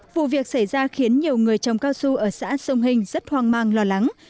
vụ việc xảy ra khiến nhiều người trồng cao su ở xã sông hình rất hoang mang lo lắng